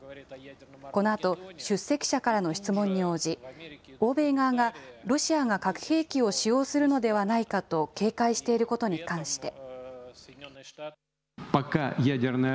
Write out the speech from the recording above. このあと出席者からの質問に応じ、欧米側が、ロシアが核兵器を使用するのではないかと警戒していることに関して。